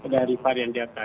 dari varian data